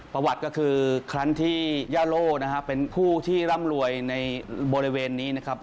ประวัติก็คือครั้งที่ย่าโล่นะฮะเป็นผู้ที่ร่ำรวยในบริเวณนี้นะครับ